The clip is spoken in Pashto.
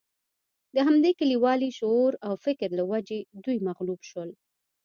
د همدې کلیوالي شعور او فکر له وجې دوی مغلوب شول.